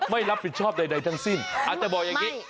ไม่รับผิดชอบใดทั้งสิ้นอาจจะบอกอย่างนี้